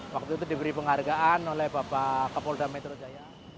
waktu itu diberi penghargaan oleh bapak kapolda metro jaya